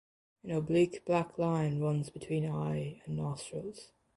An oblique black line runs between eye and nostrils.